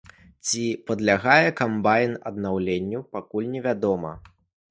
Ці падлягае камбайн аднаўленню, пакуль невядома.